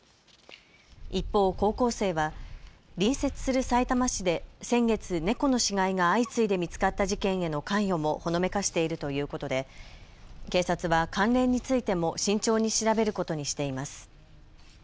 一方、高校生は隣接するさいたま市で先月、猫の死骸が相次いで見つかった事件への関与もほのめかしているということで警察は関連についても慎重に調べることにしています。